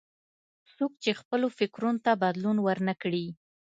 څوک چې خپلو فکرونو ته بدلون ور نه کړي.